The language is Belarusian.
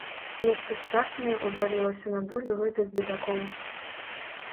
Нешта страшнае ўзвалілася на долю гэтых бедакоў.